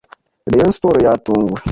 Rayon Sports yatunguwe,